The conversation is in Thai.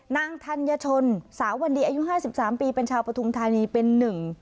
ธัญชนสาววันดีอายุห้าสิบสามปีเป็นชาวปฐุมธานีเป็นหนึ่ง